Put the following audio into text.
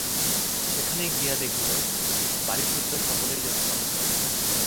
সেখানে গিয়া দেখিল, বাড়িসুদ্ধ সকলেই যেন চঞ্চল।